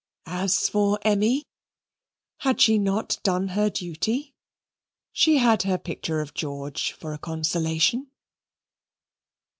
As for Emmy, had she not done her duty? She had her picture of George for a consolation.